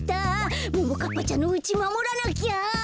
ももかっぱちゃんのうちまもらなきゃ！